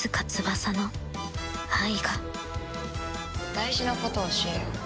大事なことを教えよう。